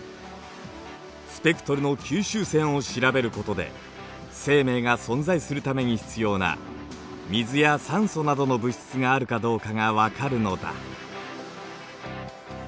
スペクトルの吸収線を調べることで生命が存在するために必要な水や酸素などの物質があるかどうかが分かるのだ。